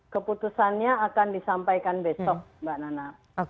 keputusannya akan disampaikan besok mbak nana